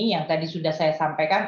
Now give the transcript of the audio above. yang tadi sudah saya sampaikan